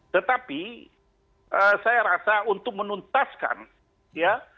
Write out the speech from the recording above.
tetapi saya rasa untuk menuntaskan ya